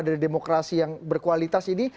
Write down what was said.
dari demokrasi yang berkualitas ini